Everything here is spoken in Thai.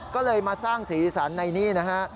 ก็เลยมาสร้างสีสันในนี่นะฮะ